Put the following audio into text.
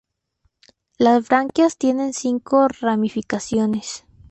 Las branquias tienen cinco ramificaciones.